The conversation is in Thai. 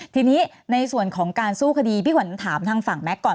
ทีนี้ในส่วนของการสู้คดีพี่ขวัญถามทางฝั่งแก๊กก่อน